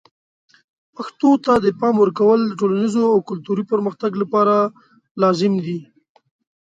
پښتو ته د پام ورکول د ټولنیز او کلتوري پرمختګ لپاره لازم دي.